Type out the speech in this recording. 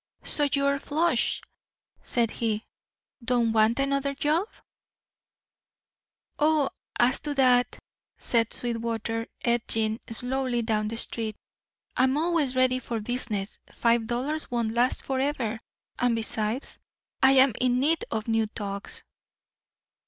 "So you're flush," said he. "Don't want another job?" "Oh, as to that," said Sweetwater, edging slowly down the street, "I'm always ready for business. Five dollars won't last forever, and, besides, I'm in need of new togs."